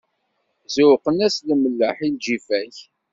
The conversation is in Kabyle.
Ẓewqem-as lemleḥ, i lǧifa-k!